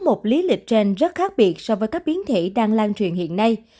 b một một năm trăm hai mươi chín có một lý lịch trên rất khác biệt so với các biến thể đang lan truyền hiện nay